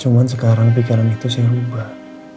cuma sekarang pikiran itu saya ubah